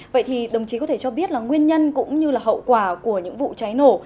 vậy thì đồng chí có thể cho biết là nguyên nhân cũng như là hậu quả của những vụ cháy nổ